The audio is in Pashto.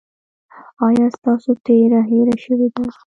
ایا ستاسو تیره هیره شوې ده؟